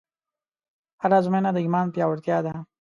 هره ازموینه د ایمان پیاوړتیا ده.